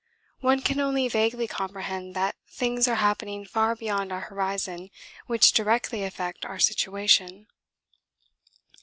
One can only vaguely comprehend that things are happening far beyond our horizon which directly affect our situation.